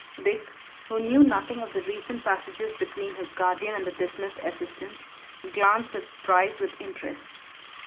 Dick, who knew nothing of the recent passages between his guardian and the dismissed assistant, glanced at Bryce with interest.